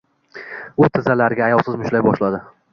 U tizzalariga ayovsiz mushtlay boshladi.